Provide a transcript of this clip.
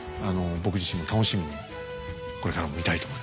僕自身も楽しみにこれからも見たいと思います。